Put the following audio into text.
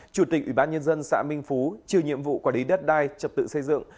chủ tịch ủy ban nhân dân xã minh phú chịu nhiệm vụ quản lý đất đai trật tự xây dựng